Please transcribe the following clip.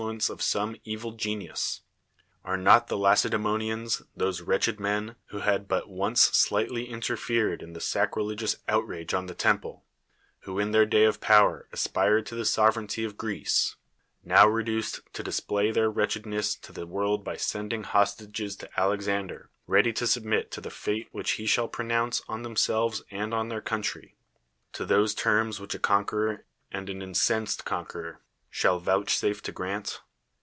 ui'!!C(' of some evil gcniu.s. Ai'e not 1he j Laccdiemoniaiis, those wi'ctclicd men, who had I but once slightly interfered iti the saci'ilegious outrage on th^ temple who in theii day of power aspired to the sovereignty of (Irecce. now THE WORLD'S FAMOUS ORATIONS reduced to display their wretchedness to the world by sending hostages to Alexander, ready to submit to that fate which he shall pronounce on themselves and on their country; to those terms which a conqueror, and an incensed con queror, shall vouchsafe to grant?